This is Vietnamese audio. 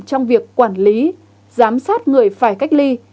trong việc quản lý giám sát người phải cách ly